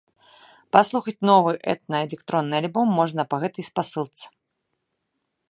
Паслухаць новы этна-электронны альбом можна па гэтай спасылцы.